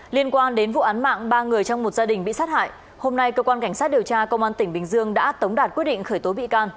liên quan đến vụ án mạng ba người trong một gia đình bị sát hại hôm nay cơ quan cảnh sát điều tra công an tỉnh bình dương đã tống đạt quyết định khởi tố bị can